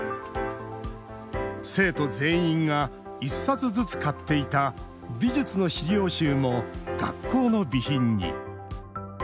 生徒全員が１冊ずつ買っていた美術の資料集も学校の備品に。